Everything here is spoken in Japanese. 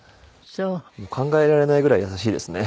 考えられないぐらい優しいですね。